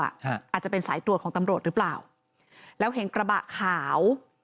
อาจจะเป็นสายตรวจของตำรวจหรือเปล่าแล้วเห็นกระบะขาว